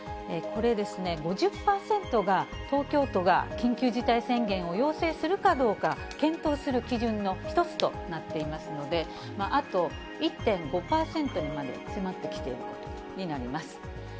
これ、５０％が、東京都が緊急事態宣言を要請するかどうか検討する基準の一つとなっていますので、あと１．５％にまで迫ってきていることになります。